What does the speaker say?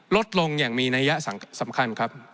ลดลงอย่างมีนัยสำคัญครับ